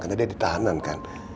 kan ada ditahanan kan